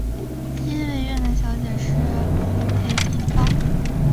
第一位越南小姐是裴碧芳。